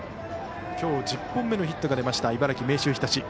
きょう１０本目のヒットが出ました、茨城、明秀日立。